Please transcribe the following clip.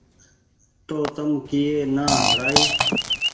تو تم ڪيئي نآ رآئي